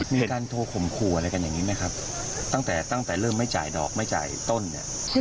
มีการโทรข่มขู่อะไรกันอย่างนี้ไหมครับตั้งแต่ตั้งแต่เริ่มไม่จ่ายดอกไม่จ่ายต้นเนี่ย